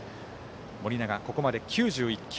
盛永、ここまで９１球。